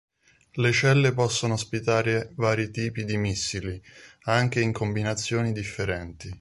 Le celle possono ospitare vari tipi di missili anche in combinazioni differenti.